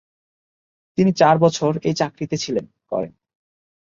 তিনি চার বছর এই চাকরিতে ছিলেন করেন।